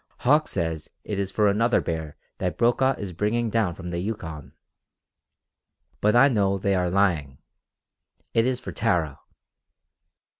Hauck says it is for another bear that Brokaw is bringing down from the Yukon. But I know they are lying. It is for Tara."